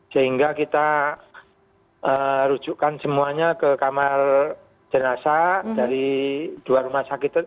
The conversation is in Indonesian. sehingga kita rujukan semuanya ke kamar jenazah dari dua rumah sakit